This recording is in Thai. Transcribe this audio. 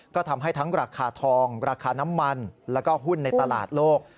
ก็ทำให้ทั้งราคาทองราคาน้ำมันแล้วก็หุ้นในตลาดโลก